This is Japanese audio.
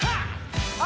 あ！